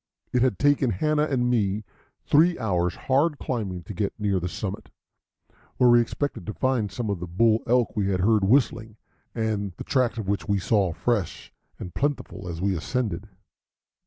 It had taken Hanna and me three hours' hard climbing to get near the summit, where we expected to find some of the bull elk we had heard whistling, and the tracks of which we saw fresh and plentiful as we ascended.